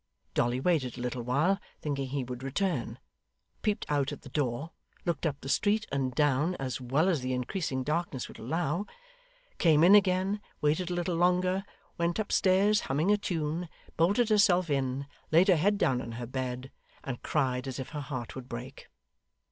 Dolly waited a little while, thinking he would return, peeped out at the door, looked up the street and down as well as the increasing darkness would allow, came in again, waited a little longer, went upstairs humming a tune, bolted herself in, laid her head down on her bed, and cried as if her heart would break.